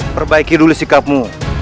perbaiki dulu sikapmu